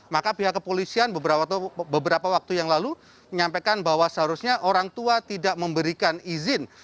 maka pihak kepolisian beberapa waktu yang lalu menyampaikan bahwa seharusnya orang tua tidak memberikan izin